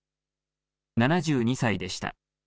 ７２歳でした。